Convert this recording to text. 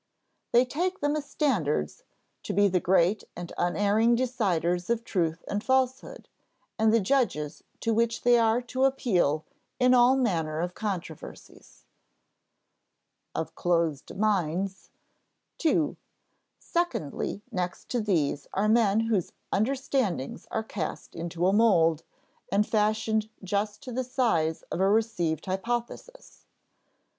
They take them as standards "to be the great and unerring deciders of truth and falsehood, and the judges to which they are to appeal in all manner of controversies." [Sidenote: of closed minds,] 2. "Secondly, next to these are men whose understandings are cast into a mold, and fashioned just to the size of a received hypothesis."